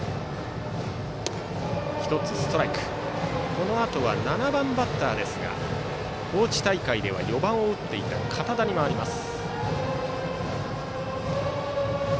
このあとが７番バッターですが高知大会では４番を打っていた堅田に回ります。